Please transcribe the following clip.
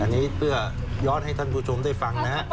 อันนี้เพื่อย้อนให้ท่านผู้ชมได้ฟังนะครับ